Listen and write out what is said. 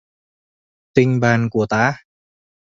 Tình bạn của ta